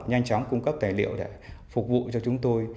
nhanh chóng cung cấp tài liệu để phục vụ cho chúng tôi